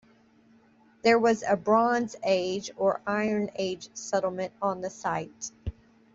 There was a Bronze Age or Iron Age settlement on the site.